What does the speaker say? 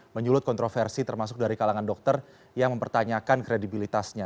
menyulut kontroversi termasuk dari kalangan dokter yang mempertanyakan kredibilitasnya